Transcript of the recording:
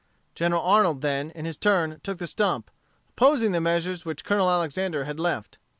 General Arnold then, in his turn, took the stump, opposing the measures which Colonel Alexander had left.